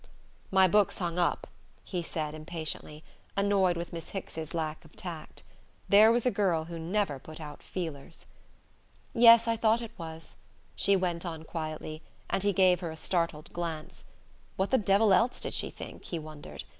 "My book's hung up," he said impatiently, annoyed with Miss Hicks's lack of tact. There was a girl who never put out feelers.... "Yes; I thought it was," she went on quietly, and he gave her a startled glance. What the devil else did she think, he wondered?